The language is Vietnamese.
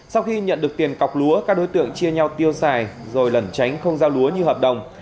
sau khi nhận được tiền cọc lúa các đối tượng chia nhau tiêu xài rồi lẩn tránh không giao lúa như hợp đồng